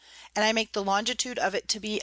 and I make the Longitude of it to be 61.